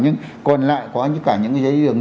nhưng còn lại có cả những cái giấy đường